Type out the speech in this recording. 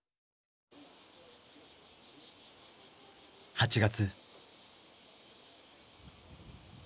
８月。